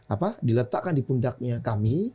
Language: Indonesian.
apa diletakkan di pundaknya kami